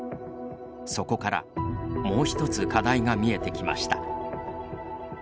そこから、もう一つ課題が見えてきました。